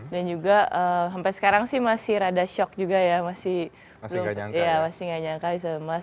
dan juga sampai sekarang sih masih rada shock juga ya masih gak nyangka bisa emas